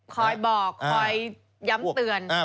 คอยบอกคอยย้ำเตือน